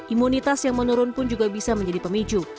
imunitas yang menurun pun juga bisa menjadi pemicu